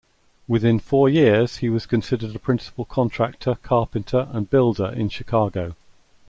Within four years, he was considered a principal contractor, carpenter and builder in Chicago.